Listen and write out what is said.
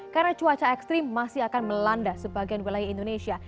karena cuaca ekstrim masih akan melanda sebagian wilayah indonesia